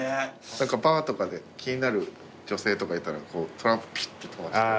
バーとかで気になる女性とかいたらトランプピュッて飛ばして。